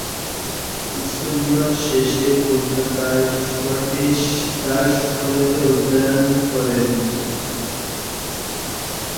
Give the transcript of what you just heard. School জীবন শেষে কলকাতার স্কটিশ চার্চ কলেজে অধ্যয়ন করেন।